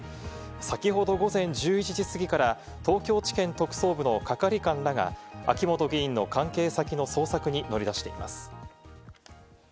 先ほど午前１１時すぎから東京地検特捜部の係官らが秋本議員の関係先の捜索に乗り出しています。